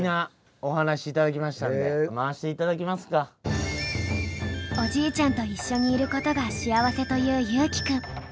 これはもうおじいちゃんと一緒にいることが幸せという祐希君。